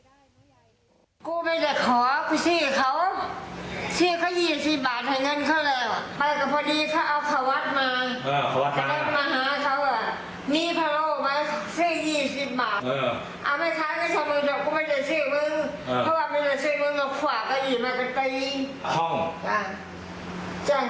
เอ้อเอาไม่ใช้ไม่ใช่มึงเดี๋ยวก็ไม่ใช่ชื่อมึง